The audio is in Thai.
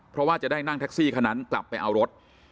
เพราะว่าจะได้นั่งแท็กซี่คนนั้นกลับไปเอารถ